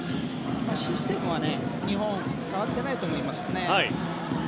システムは日本は変わっていないと思いますね。